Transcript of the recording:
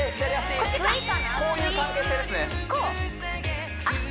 こうこういう関係性ですねあっ